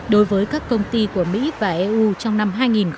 đối với các công ty của mỹ và eu trong năm hai nghìn một mươi chín